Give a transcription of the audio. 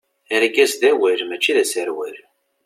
Argaz d awal mačči d aserwal.